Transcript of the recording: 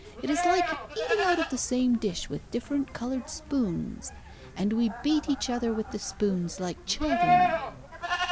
It is like eating out of the same dish with different coloured spoons. And we beat each other with the spoons, like children."